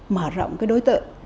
mở rộng đối tượng